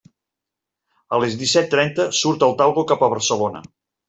A les disset trenta surt el Talgo cap a Barcelona.